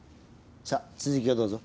さっ続きをどうぞ。